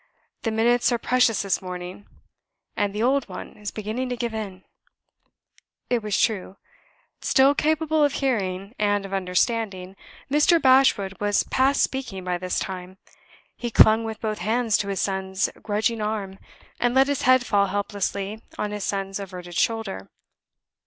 "The minutes are precious this morning; and the old one is beginning to give in." It was true. Still capable of hearing and of understanding, Mr. Bashwood was past speaking by this time. He clung with both hands to his son's grudging arm, and let his head fall helplessly on his son's averted shoulder.